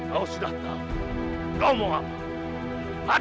kau akan menang